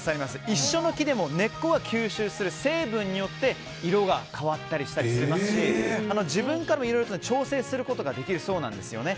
一緒の木でも根っこが吸収する成分によって色が変わったりしますし自分でもいろいろと調整することができるそうなんですよね。